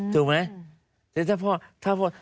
ถูกไหม